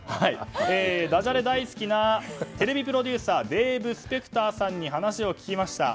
ダジャレ大好きなテレビプロデューサーデーブ・スペクターさんに話を聞きました。